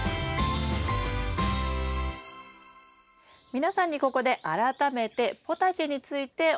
皆さんにここで改めてポタジェについてお話しします。